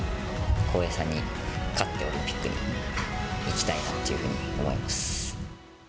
航平さんに勝って、オリンピックに行きたいなっていうふうに思います。